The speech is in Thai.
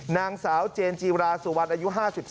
นางสาวเจนจีราสุวรรณอายุ๕๓